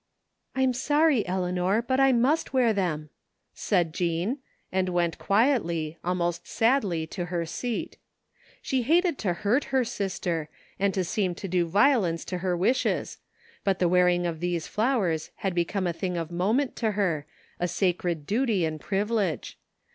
" I'm sorry, Eleanor, but I must wear them," said Jean, and went quietly, almost sadly to her seat. She hated to hurt her sister, and to seem to do violence to her wishes, but the wearing of these flowers had be come a thing of moment to her, a sacred duty and privilege.